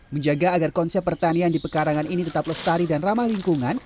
menjaga agar konsep pertanian di pekarangan ini tetap lestari dan ramah lingkungan